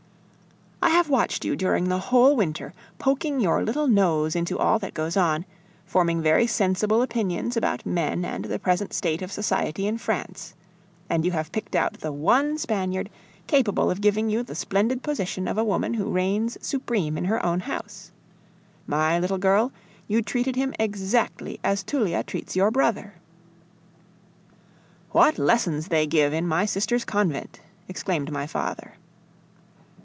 I have watched you during the whole winter, poking your little nose into all that goes on, forming very sensible opinions about men and the present state of society in France. And you have picked out the one Spaniard capable of giving you the splendid position of a woman who reigns supreme in her own house. My little girl, you treated him exactly as Tullia treats your brother." "What lessons they give in my sister's convent!" exclaimed my father.